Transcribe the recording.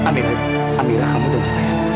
amira amira kamu denger saya